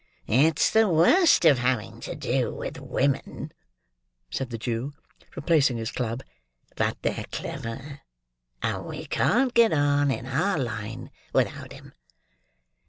"It's the worst of having to do with women," said the Jew, replacing his club; "but they're clever, and we can't get on, in our line, without 'em.